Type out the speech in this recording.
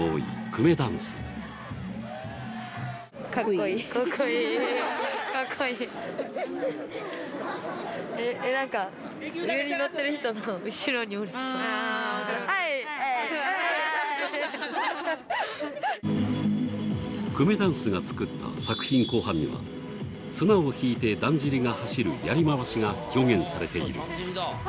くめだんすが作った作品後半には綱を引いてだんじりが走るやりまわしが表現されている。